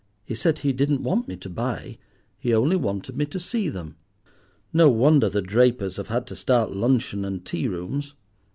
He said he didn't want me to buy, he only wanted me to see them. No wonder the drapers have had to start luncheon and tea rooms.